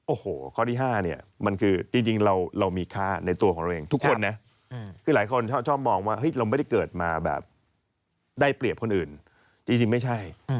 โอ้โหข้อที่๕เนี่ยมันคือจริงเรามีค่าในตัวของเราเองทุกคนนะคือหลายคนชอบมองว่าเราไม่ได้เกิดมาแบบได้เปรียบคนอื่นจริงไม่ใช่